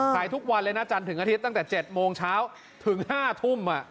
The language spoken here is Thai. ขายทุกวันเลยนะจันทร์ถึงอาทิตย์ตั้งแต่๗โมงเช้าถึง๕ทุ่ม